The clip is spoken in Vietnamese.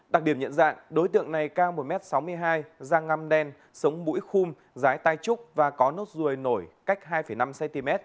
đặc điểm nhận dạng đối tượng này cao một m sáu mươi hai da ngâm đen sống mũi khung rái tai trúc và có nốt ruồi nổi cách hai năm cm